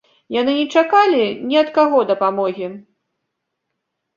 Яны не чакалі ні ад каго дапамогі!